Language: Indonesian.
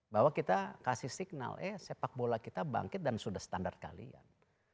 bahwa kita kasih signal eh sepak bola kita bangkit dan sudah standar kalian